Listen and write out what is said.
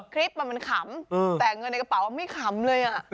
คลิปมันขำแต่เงินในกระเป๋าไม่ขำเลย